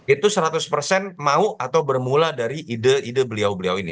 itu seratus persen mau atau bermula dari ide ide beliau beliau ini